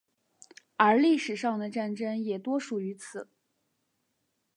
而历史上的战争也多属于此。